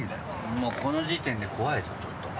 もうこの時点で怖いですわちょっと。